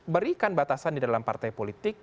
berikan batasan di dalam partai politik